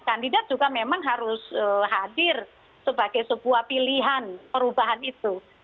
kandidat juga memang harus hadir sebagai sebuah pilihan perubahan itu